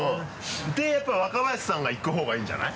でやっぱ若林さんが行く方がいいんじゃない？